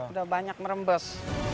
udah banyak merembes